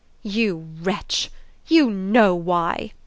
"You wretch you KNOW why!"